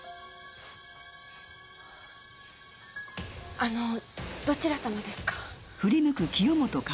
あのどちら様ですか？